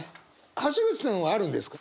橋口さんはあるんですか？